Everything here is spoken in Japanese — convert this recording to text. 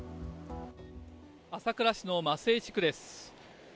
朝倉市の杷木地区です。